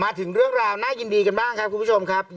มาถึงเรื่องราวน่ายินดีกันบ้างครับคุณผู้ชมครับ